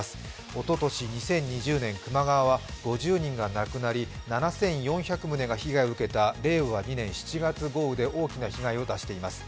おととし２０２０年、球磨川は５０人が亡くなり７４００棟が被害を受けた令和２年７月豪雨で大きな被害を出しています。